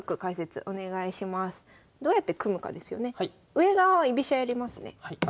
上側は居飛車やりますね。